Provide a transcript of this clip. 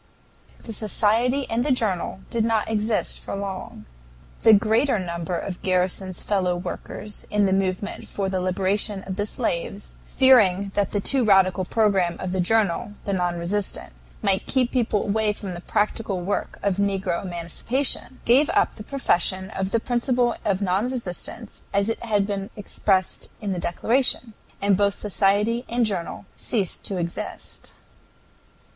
The society and the journal did not exist for long. The greater number of Garrison's fellow workers in the movement for the liberation of the slaves, fearing that the too radical programme of the journal, the NON RESISTANT, might keep people away from the practical work of negro emancipation, gave up the profession of the principle of non resistance as it had been expressed in the declaration, and both society and journal ceased to exist.